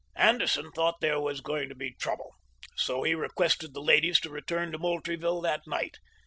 Anderson thought there was going to be trouble, so he requested the ladies to return to Moultrie ville that night.